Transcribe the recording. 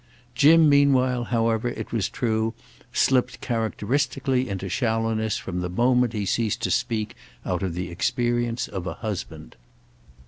Jim meanwhile however, it was true, slipped characteristically into shallowness from the moment he ceased to speak out of the experience of a husband.